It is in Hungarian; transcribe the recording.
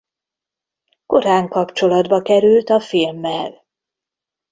Korán kapcsolatba került a filmmel.